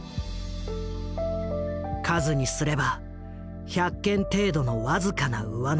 数にすれば１００件程度の僅かな上乗せ。